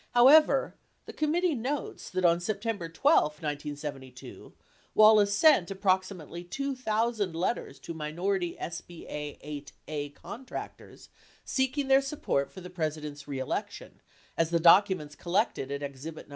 However, the committee notes that on September 12, 1972, Wallace sent approximately 2,000 letters to minority SBA 8(a) contractors seeking their support for the President's reelection, as the documents collected at exhibit No.